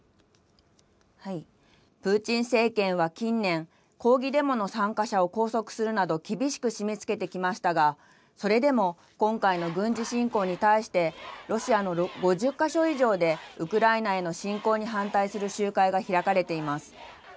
プーチン政権は近年、抗議デモの参加者を拘束するなど、厳しく締めつけてきましたが、それでも今回の軍事侵攻に対してロシアの５０か所以上で、ウクライナへの侵攻に反対する集会が開かれています。